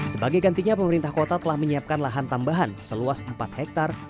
sebagai gantinya pemerintah kota telah menyiapkan lahan tambahan seluas empat hektare